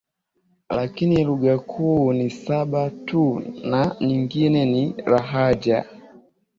lakini lugha kuu ni saba tu na nyingine ni lahaja